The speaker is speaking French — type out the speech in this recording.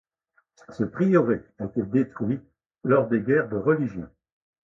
Ce prieuré a été détruit lors des guerres de religion.